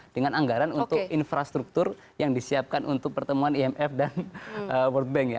dengan anggaran untuk infrastruktur yang disiapkan untuk pertemuan imf dan world bank ya